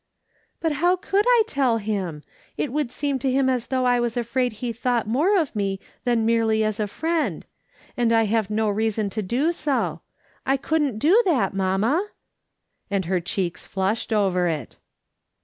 " But how could I tell him ? It would seem to him as though I was afraid he thought more of me than merely as a friend ; and I have no reason to do so. I couldn't do that, mamma !" and her cheeks flushed over it.